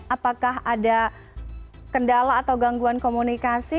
apakah ada kendala atau gangguan komunikasi